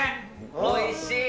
おいしい。